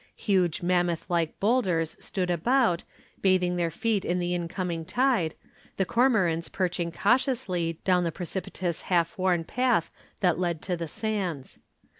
Huge mammoth like boulders stood about, bathing their feet in the incoming tide, the cormorants perching cautiously down the precipitous half worn path that led to the sands.